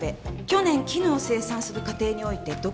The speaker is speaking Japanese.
去年絹を生産する過程において」